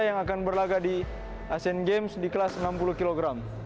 yang akan berlagak di asean games di kelas enam puluh kg